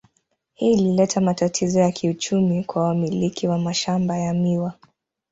Hii ilileta matatizo ya kiuchumi kwa wamiliki wa mashamba ya miwa.